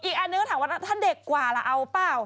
อันนึงก็ถามว่าถ้าเด็กกว่าล่ะเอาเปล่า